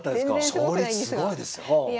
勝率すごいですよ。